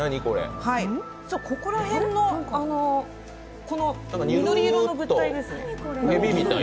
ここら辺の、緑色の物体ですね。